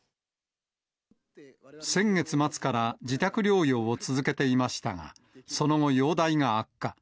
先月末から自宅療養を続けていましたが、その後、容体が悪化。